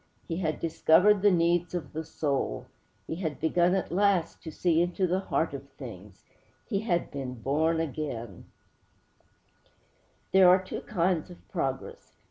He had discovered the need of the soul. He had begun at last to see into the heart of things.' He had been born again! There are two kinds of progress.